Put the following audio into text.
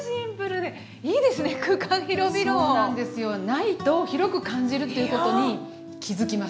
ないと広く感じるということに気付きました。